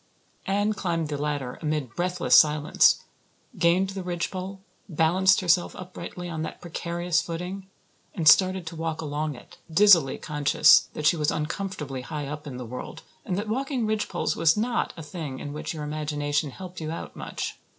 Anne climbed the ladder amid breathless silence, gained the ridgepole, balanced herself uprightly on that precarious footing, and started to walk along it, dizzily conscious that she was uncomfortably high up in the world and that walking ridgepoles was not a thing in which your imagination helped you out much.